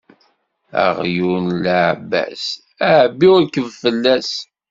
Aɣyul n leɛbas, ɛebbi u rkeb fell-as.